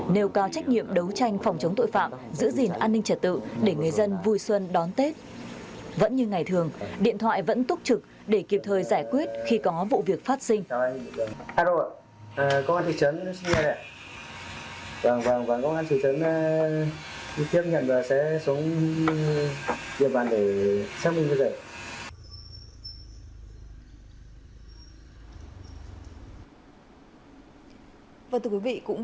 nêu cao trách nhiệm đấu tranh phòng chống tội phạm giữ gìn an ninh giữ gìn an ninh giữ gìn an ninh giữ gìn an ninh giữ gìn an ninh giữ gìn an ninh giữ gìn an ninh giữ gìn an ninh